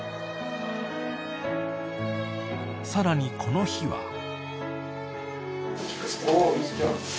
［さらにこの日は］